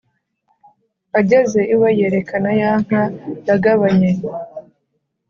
ageze iwe, yerekana ya nka yagabanye,